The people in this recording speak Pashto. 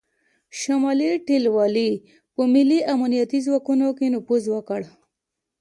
شمالي ټلوالې په ملي امنیتي ځواکونو کې نفوذ وکړ